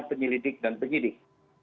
penyelidik dan penyidik